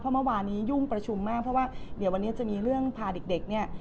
เมื่อวานนี้ยุ่งประชุมมากเพราะว่าเดี๋ยววันนี้จะมีเรื่องพาเด็กเนี่ย